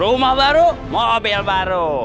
rumah baru mobil baru